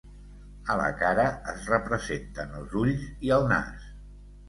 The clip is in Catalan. A la cara es representen els ulls i el nas.